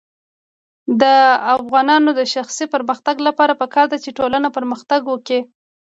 د ځوانانو د شخصي پرمختګ لپاره پکار ده چې ټولنه پرمختګ ورکړي.